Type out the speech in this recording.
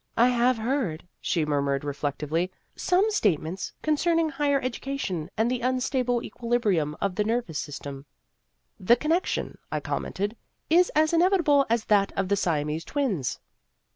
" I have heard," she murmured reflect ively, " some statements concerning higher education and the unstable equilibrium of the nervous system." " The connection," I commented, " is as inevitable as that of the Siamese twins."